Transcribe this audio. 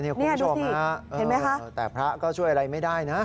เนี่ยคุณผู้ชมฮะเนี่ยดูสิเห็นไหมฮะแต่พระก็ช่วยอะไรไม่ได้น่ะ